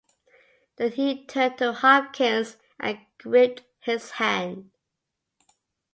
Then he turned to Hopkins, and gripped his hand.